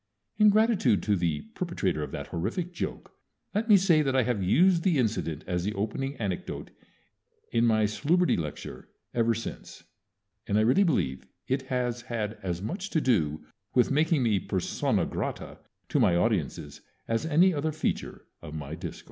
In gratitude to the perpetrator of that horrific joke let me say that I have used the incident as the opening anecdote in my Salubrity lecture ever since, and I really believe it has had as much to do with making me persona grata to my audiences as any other feature of my discourse.